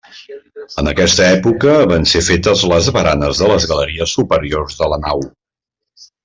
En aquesta època van ser fetes les baranes de les galeries superiors de la nau.